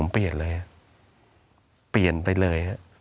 เปลี่ยนไปเลย